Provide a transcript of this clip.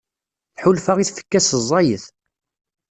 Tḥulfa i tfekka-s ẓẓayet.